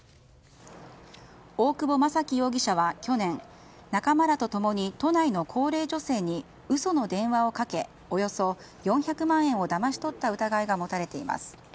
大久保将貴容疑者は去年仲間らと共に都内の高齢女性に嘘の電話をかけおよそ４００万円をだまし取った疑いが持たれています。